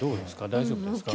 大丈夫ですか？